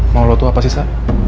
mau lo tuh apa sih sa